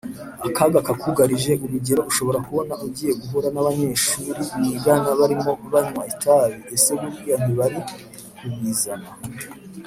akaga kakugarije Urugero ushobora kubona ugiye guhura n abanyeshuri mwigana barimo banywa itabi Ese buriya ntibari kubizana